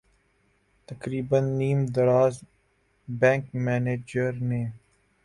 تقریبا نیم دراز بینک منیجر نے